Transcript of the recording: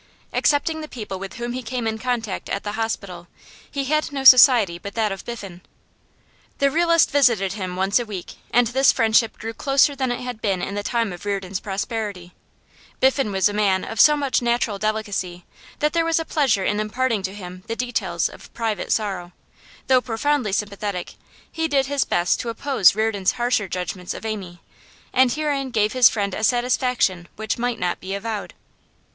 Excepting the people with whom he came in contact at the hospital, he had no society but that of Biffen. The realist visited him once a week, and this friendship grew closer than it had been in the time of Reardon's prosperity. Biffen was a man of so much natural delicacy, that there was a pleasure in imparting to him the details of private sorrow; though profoundly sympathetic, he did his best to oppose Reardon's harsher judgments of Amy, and herein he gave his friend a satisfaction which might not be avowed.